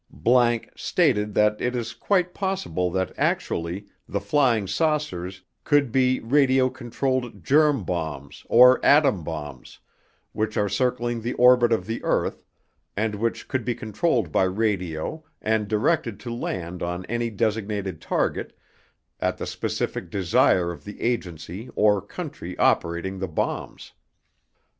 ____ stated that it is quite possible that actually the "flying saucers" could be radio controlled germ bombs or atom bombs which are circling the orbit of the earth and which could be controlled by radio and directed to land on any designated target at the specific desire of the agency or country operating the bombs.